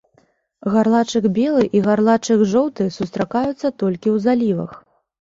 Гарлачык белы і гарлачык жоўты сустракаюцца толькі ў залівах.